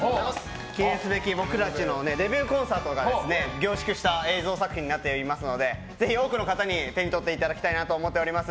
記念すべき僕たちのデビューコンサートが凝縮した映像作品になっておりますのでぜひ多くの方に手に取ってもらいたいです。